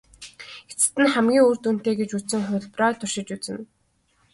Эцэст нь хамгийн үр дүнтэй гэж үзсэн хувилбараа туршиж үзнэ.